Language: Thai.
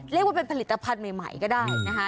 เรียกว่าเป็นผลิตภัณฑ์ใหม่ก็ได้นะคะ